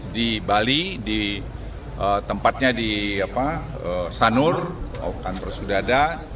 di bali di tempatnya di sanur kantor sudada